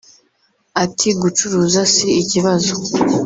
Ati “Gucuruza si ikibazo